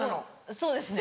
そうですね。